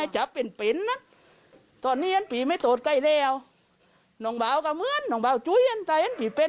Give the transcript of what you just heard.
ทั้งหมดตั้งแต่ปบเหมือนนั้น